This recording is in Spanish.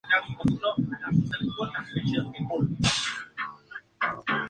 La sede del condado es Flint.